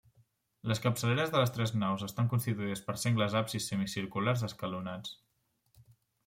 Les capçaleres de les tres naus estan constituïdes per sengles absis semicirculars escalonats.